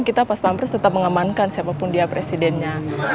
kita pas pampres tetap mengamankan siapapun dia presidennya